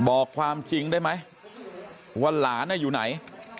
บอกความจริงได้ไหมว่าหลานอยู่ไหน